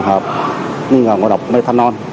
nghi ngộ độc methanol